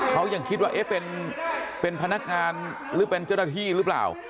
เขายังคิดว่าเอ๊ะเป็นพนักงานหรือเป็นเจ้าหน้าที่หรือเปล่า